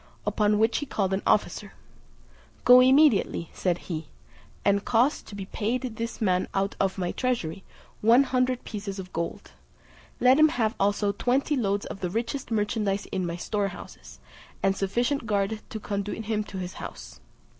Upon which he called an officer, "Go immediately," said he, "and cause to be paid to this man out of my treasury, one hundred pieces of gold: let him have also twenty loads of the richest merchandize in my storehouses, and a sufficient guard to conduit him to his house."